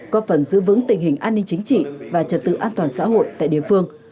có phần giữ vững tình hình an ninh chính trị và trật tự an toàn xã hội tại địa phương